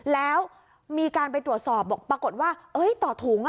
แล้วมีการไปตรวจสอบบอกปรากฏว่าต่อถุง